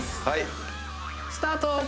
はいスタート